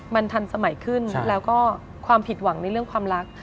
มันทันสมัยขึ้นแล้วก็ความผิดหวังในเรื่องความรัก